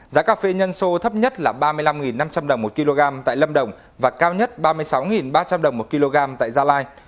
giá cà phê nhân sô thấp nhất là ba mươi năm năm trăm linh đồng một kg tại lâm đồng và cao nhất ba mươi sáu ba trăm linh đồng một kg tại gia lai